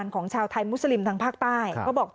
ข้าวตอกตั้งนะครับอ๋อ